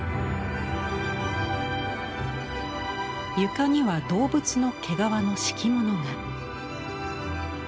床には動物の毛皮の敷物が。